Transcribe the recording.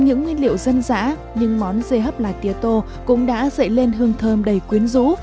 những nguyên liệu dân dã những món dê hấp lá tiếu tô cũng đã dậy lên hương thơm đầy quyến rũ